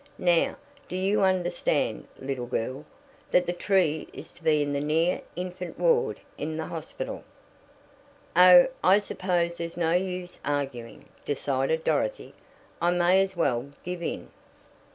"Now, do you understand, little girl, that the tree is to be in the near infant ward in the hospital?" "Oh, I suppose there's no use arguing," decided Dorothy. "I may as well give in."